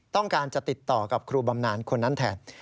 ต้องการจะติดต่อกับครูบำนานคนนั้นแทน